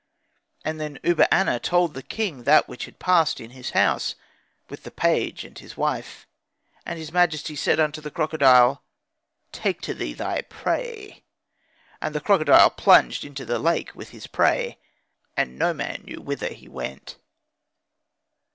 And then Uba aner told the king that which had passed in his house with the page and his wife. And his majesty said unto the crocodile, 'Take to thee thy prey.' And the crocodile plunged into the lake with his prey, and no man knew whither he went.